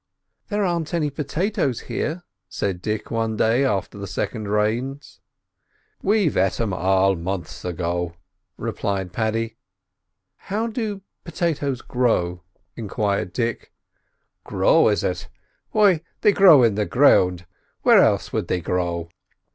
"There aren't any potatoes here," said Dick one day, after the second rains. "We've et 'em all months ago," replied Paddy. "How do potatoes grow?" enquired Dick. "Grow, is it? Why, they grow in the ground; and where else would they grow?"